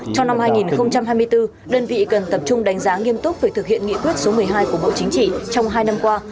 trong năm hai nghìn hai mươi bốn đơn vị cần tập trung đánh giá nghiêm túc về thực hiện nghị quyết số một mươi hai của bộ chính trị trong hai năm qua